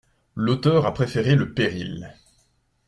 L’auteur a préféré le péril.